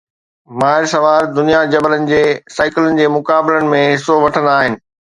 ماهر سوار دنيا جبلن جي سائيڪلن جي مقابلن ۾ حصو وٺندا آهن